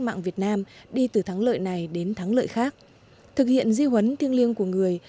mạng việt nam đi từ thắng lợi này đến thắng lợi khác thực hiện di huấn thiêng liêng của người